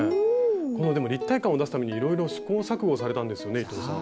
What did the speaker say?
このでも立体感を出すためにいろいろ試行錯誤されたんですよね伊藤さん。